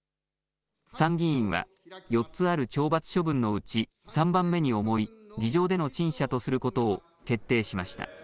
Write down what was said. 参議院は、４つある懲罰処分のうち３番目に重い議場での陳謝とすることを決定しました。